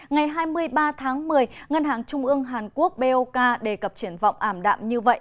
ngày hai mươi ba tháng một mươi ngân hàng trung ương hàn quốc bok đề cập triển vọng ảm đạm như vậy